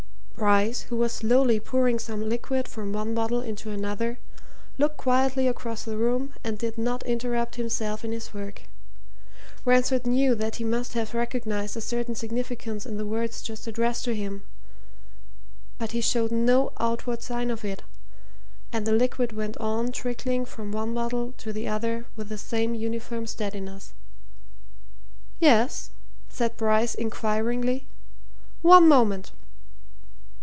Bryce, who was slowly pouring some liquid from one bottle into another, looked quietly across the room and did not interrupt himself in his work. Ransford knew that he must have recognized a certain significance in the words just addressed to him but he showed no outward sign of it, and the liquid went on trickling from one bottle to the other with the same uniform steadiness. "Yes?" said Bryce inquiringly. "One moment."